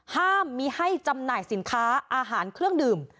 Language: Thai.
ห้ามมีให้จำหน่ายสินค้าอาหารเครื่องดื่ม